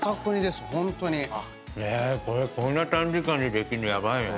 これこんな短時間でできるのヤバいね。